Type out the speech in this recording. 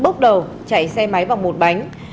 bốc đầu chạy xe máy vào một bánh